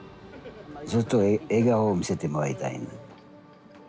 ずっと笑顔を見せてもらいたいな。